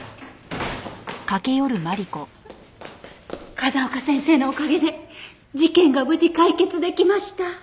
風丘先生のおかげで事件が無事解決できました。